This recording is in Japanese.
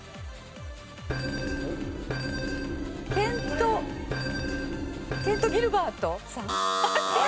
ケントケント・ギルバートさん。